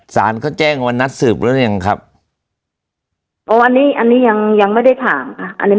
สารก็แจ้งวันนัดสืบแล้วยังครับอ๋ออันนี้อันนี้ยังยังไม่ได้ถาม